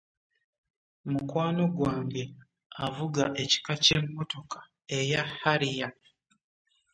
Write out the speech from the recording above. Mukwano gwange avuga ekika kye mmotoka eya Harrier.